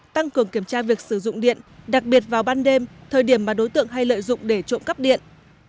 tăng cường kiểm tra việc sử dụng điện đặc biệt vào ban đêm thời điểm mà đối tượng hay lợi dụng để trộm cắp điện